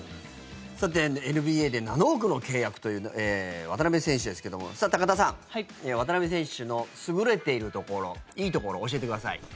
さて、ＮＢＡで７億の契約という渡邊選手ですが高田さん、渡邊選手の優れているところ、いいところ教えてください。